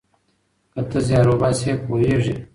که ته زیار وباسې پوهیږې.